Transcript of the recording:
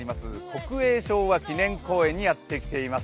国営昭和記念公園にやってきています。